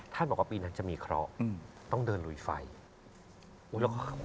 ท่านบอกว่าปีนั้นจะมีเคราะห์